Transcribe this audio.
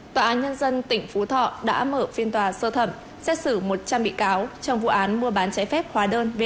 tòa án nhân dân tỉnh phú thọ đã mở phiên tòa sơ thẩm xét xử một trăm linh bị cáo trong vụ án mua bán trái phép hóa đơn vat